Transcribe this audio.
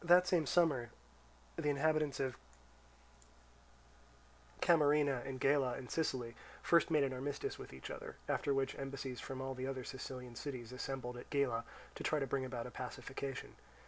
The same summer, the inhabitants of Camarina and Gela in Sicily first made an armistice with each other, after which embassies from all the other Sicilian cities assembled at Gela to try to bring about a pacification.